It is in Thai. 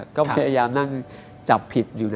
บ๊วยบ๊วยก็พยายามนั่งจับผิดอยู่นะ